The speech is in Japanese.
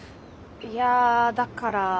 いやだから。